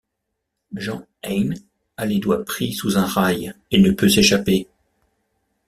Jean Hein a les doigts pris sous un rail et ne peut s'échapper.